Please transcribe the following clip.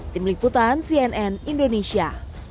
tim liputan cnn indonesia